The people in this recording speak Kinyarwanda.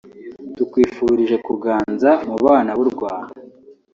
tukwifurije kuganza mu bana b’u Rwanda